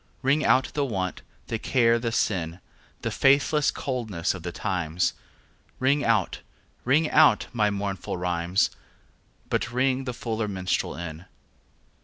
Ring out the want, the care the sin, The faithless coldness of the times; Ring out, ring out my mournful rhymes, But ring the fuller minstrel in.